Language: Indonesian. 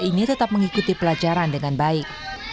ini tetap mengikuti pelajaran dengan baik